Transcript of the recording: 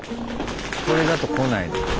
これだと来ないのかな？